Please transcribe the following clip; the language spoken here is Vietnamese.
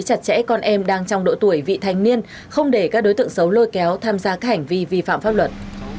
chặt chẽ con em đang trong độ tuổi vị thành niên không để các đối tượng xấu lôi kéo tham gia các hành vi vi phạm pháp luật